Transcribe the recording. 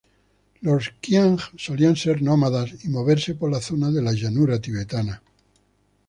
Los qiang solían ser nómadas y moverse por la zona de la llanura tibetana.